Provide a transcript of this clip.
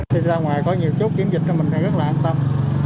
đi ra ngoài có nhiều chút kiểm dịch thì mình sẽ rất là an tâm